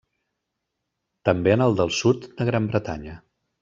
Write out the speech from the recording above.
També en el del sud de Gran Bretanya.